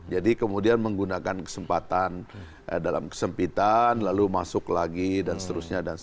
jadi kemudian menggunakan kesempatan dalam kesempitan lalu masuk lagi dan seterusnya